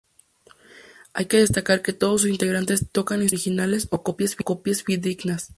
Hay que destacar que todos sus integrantes tocan instrumentos originales o copias fidedignas.